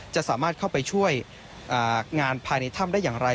จะสามารถเข้าไปช่วยงานภายในถ้ำได้อย่างไร